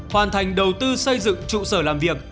hoàn thành đầu tư xây dựng trụ sở làm việc